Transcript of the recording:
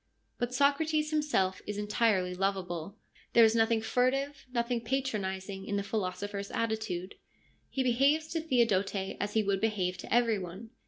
But Socrates himself is entirely lovable. There is nothing furtive, nothing patronising in the philosopher's attitude. He behaves to Theodote as he would behave to every one.